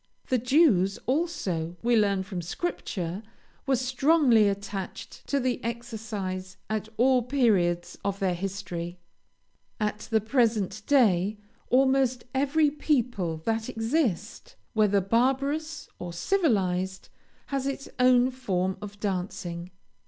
The Jews, also, we learn from Scripture, were strongly attached to the exercise at all periods of their history. At the present day, almost every people that exist, whether barbarous or civilized, has its own form of dancing.